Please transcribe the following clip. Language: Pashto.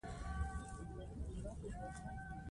نورستان د افغانستان د جغرافیې بېلګه ده.